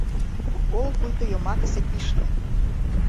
Кол пуйто йомакысе кишке.